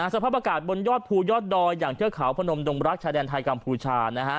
สภาพอากาศบนยอดภูยอดดอยอย่างเทือกเขาพนมดงรักชายแดนไทยกัมพูชานะฮะ